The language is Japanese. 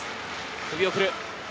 首を振る。